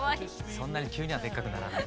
そんなに急にはでっかくならない。